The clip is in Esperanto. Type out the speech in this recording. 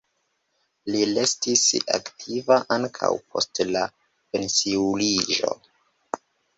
Li restis aktiva ankaŭ post la pensiuliĝo.